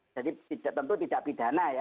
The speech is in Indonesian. jadi tentu tidak pidana ya